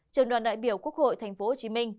trường đoàn đại biểu quốc hội tp hcm